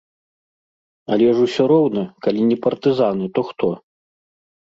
Але ж усё роўна, калі не партызаны, то хто?